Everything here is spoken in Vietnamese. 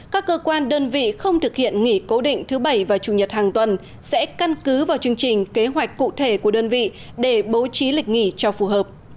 các cơ quan đơn vị không thực hiện nghỉ cố định thứ bảy và chủ nhật hàng tuần sẽ căn cứ vào chương trình kế hoạch cụ thể của đơn vị để bố trí lịch nghỉ cho phù hợp